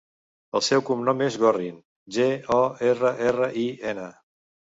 El seu cognom és Gorrin: ge, o, erra, erra, i, ena.